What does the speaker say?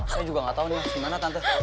saya juga gak tau nih gimana tante